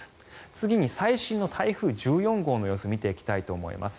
次に最新の台風１４号の様子を見ていきたいと思います。